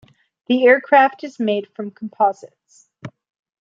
The aircraft is made from composites.